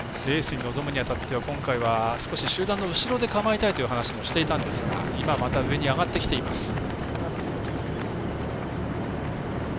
レースに臨むにあたっては今回は、少し集団の後ろで構えたいという話もしていたんですがまた上に上がってきています。